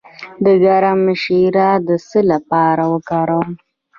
د کرم شیره د څه لپاره وکاروم؟